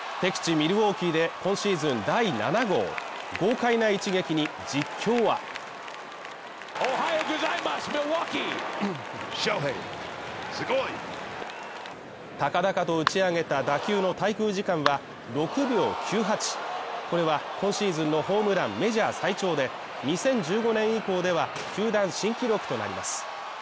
ミルウォーキーで今シーズン第７号豪快な一撃に実況は高々と打ち上げた打球の滞空時間は６秒９８、これは今シーズンのホームランメジャー最長で２０１５年以降では球団新記録となります。